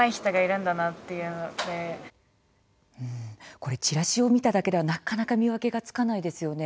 これは、ちらしを見ただけでは、なかなか見分けがつかないですよね。